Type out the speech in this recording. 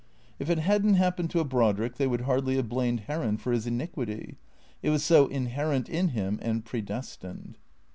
If it had n't happened to a Brodrick, they would hardly have blamed Heron for his iniquity; it was so inherent in him and predestined.